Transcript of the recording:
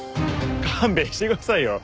勘弁してくださいよ。